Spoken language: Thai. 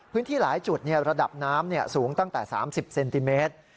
พื้นที่หลายจุดระดับน้ำสูงตั้งแต่๓๐เซนติเมตร